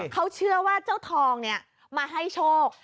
เขาเชื่อว่าเจ้าทองเนี่ยมาให้โชค